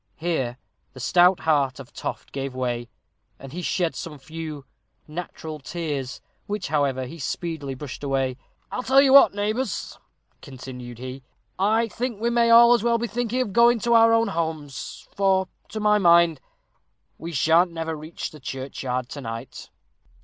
Here the stout heart of Toft gave way, and he shed some few "natural tears," which, however, he speedily brushed away. "I'll tell you what, neighbors," continued he, "I think we may all as well be thinking of going to our own homes, for, to my mind, we shall never reach the churchyard to night."